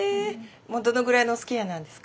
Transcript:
もうどのぐらいのおつきあいなんですか？